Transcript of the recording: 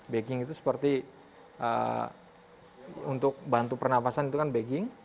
bagging itu seperti untuk bantu pernafasan itu bagging